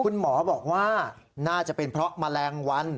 คุณหมอบอกว่าน่าจะเป็นเพราะแมลงวัน